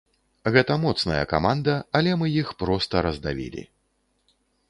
Гэта моцная каманда, але мы іх проста раздавілі.